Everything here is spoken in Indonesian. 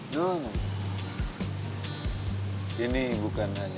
yuk ini doang